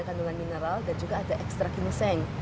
kandungan mineral dan juga ada ekstra ginseng